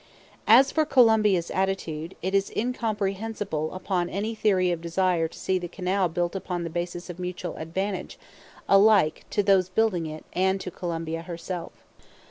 As for Colombia's attitude, it is incomprehensible upon any theory of desire to see the canal built upon the basis of mutual advantage alike to those building it and to Colombia herself.